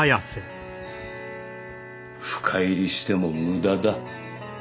深入りしても無駄だ。